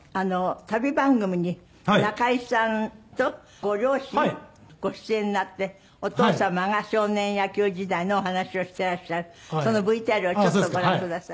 旅番組に中井さんとご両親ご出演になってお父様が少年野球時代のお話をしていらっしゃるそのＶＴＲをちょっとご覧ください。